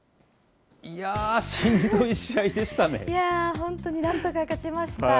本当に、なんとか勝ちました。